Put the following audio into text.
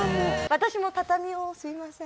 私も畳をすいません。